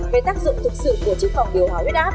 về tác dụng thực sự của chức phòng điều hòa huyết áp